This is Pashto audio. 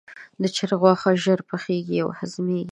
د چرګ غوښه ژر پخیږي او هضمېږي.